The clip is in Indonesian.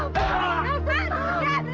mas udah berhenti